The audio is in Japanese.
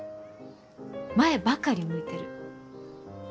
前ばかり向いてる。